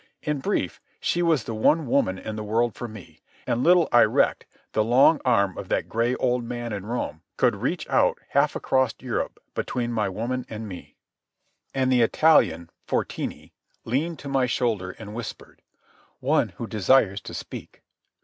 In brief, she was the one woman in the world for me, and little I recked the long arm of that gray old man in Rome could reach out half across Europe between my woman and me. And the Italian, Fortini, leaned to my shoulder and whispered: "One who desires to speak."